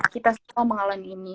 kita semua mengalami ini